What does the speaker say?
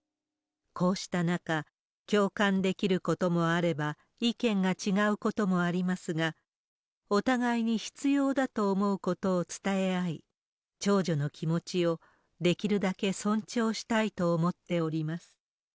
こうした中、共感できることもあれば、意見が違うこともありますが、お互いに必要だと思うことを伝え合い、長女の気持ちをできるだけ尊重したいと思っております。